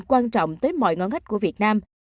quan trọng tới mọi ngón ngách của việt nam